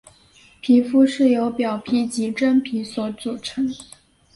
皮肤是由表皮及真皮所组成。